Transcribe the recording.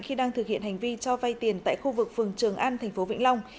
khi đang thực hiện hành vi cho vay tiền tại khu vực phường trường an tp vĩnh long